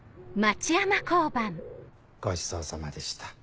ごちそうさまでした。